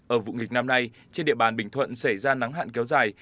ở vụ nghịch năm nay trên địa bàn bình thuận xảy ra nắng hạn kéo dài